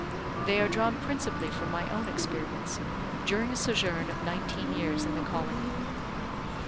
They are drawn principally from my own experience, during a sojourn of nineteen years in the colony.